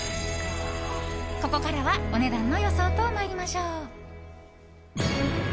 ここからはお値段の予想と参りましょう！